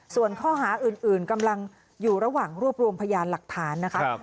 ส่วนข้อหาอื่นกำลังอยู่ระหว่างรวบรวมพยานหลักฐานนะคะ